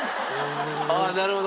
ああなるほど。